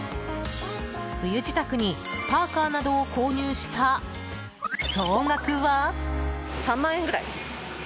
冬支度にパーカなどを購入した総額は？